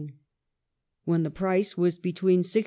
when the price was between 64s.